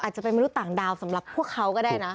จะเป็นมนุษย์ต่างดาวสำหรับพวกเขาก็ได้นะ